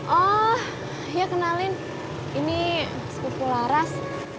oh iya kenalin ini skopo laras